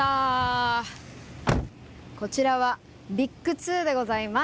こちらはビッグでございます。